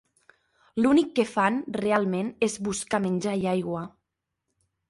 L'únic que fan, realment, és buscar menjar i agua.